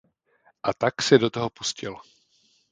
A tak se do toho pustil.